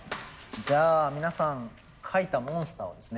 じゃあ皆さん描いたモンスターをですね